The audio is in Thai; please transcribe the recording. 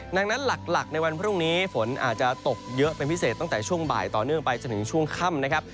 ดังนั้นหลักในวันพรุ่งนี้ฝนอาจจะตกเยอะเป็นพิเศษตั้งแต่ช่วงบ่ายต่อเนื่องไปจนถึงช่วงค่ำนะครับ